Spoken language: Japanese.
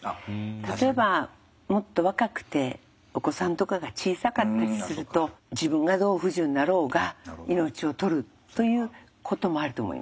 例えばもっと若くてお子さんとかが小さかったりすると自分がどう不自由になろうが命を取るということもあると思います。